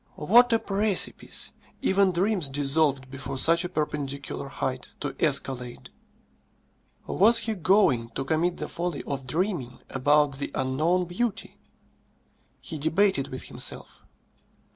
What a precipice! Even dreams dissolved before such a perpendicular height to escalade. Was he going to commit the folly of dreaming about the unknown beauty? He debated with himself.